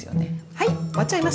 はい終わっちゃいました。